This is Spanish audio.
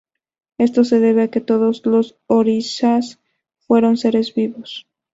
Esto se debe a que todos los orishas fueron seres vivos.